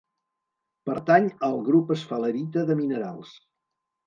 Pertany al grup esfalerita de minerals.